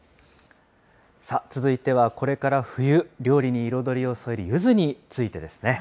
続いてはこれから冬、料理に彩りを添えるゆずについてですね。